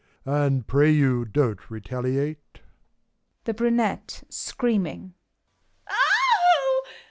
and, pray you, don't retaliate ! THE BRUNETTE (screaming). Oh